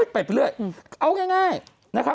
ไปไปเรื่อยเอาง่าย